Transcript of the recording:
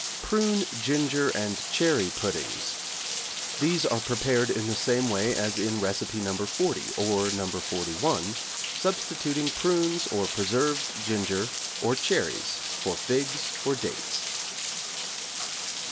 =Prune, Ginger, and Cherry Puddings= These are prepared the same way as in Recipe No. 40, or No. 41, substituting prunes or preserved ginger, or cherries for figs or dates.